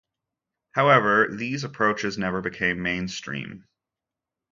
However, these approaches never became mainstream.